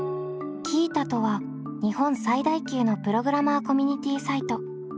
Ｑｉｉｔａとは日本最大級のプログラマーコミュニティサイト。